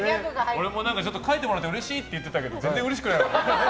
俺も描いてもらってうれしいって言ったけど全然うれしくないわ。